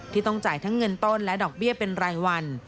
ต้องจ่ายทั้งเงินต้นและดอกเบี้ยเป็นรายวัน